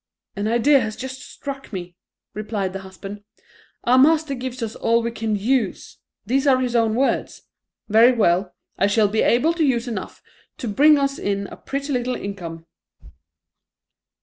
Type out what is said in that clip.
"An idea has just struck me," replied the husband; "our master gives us all we can use; these are his own words, very well; I shall be able to use enough to bring us in a pretty little income!"